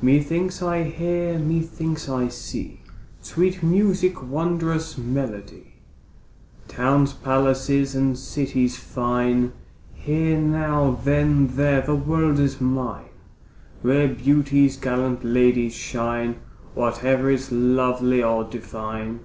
Methinks I hear, methinks I see, Sweet music, wondrous melody, Towns, palaces, and cities fine; Here now, then there; the world is mine, Rare beauties, gallant ladies shine, Whate'er is lovely or divine.